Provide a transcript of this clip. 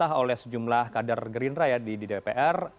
dibantah oleh sejumlah kadar gerin raya di dpr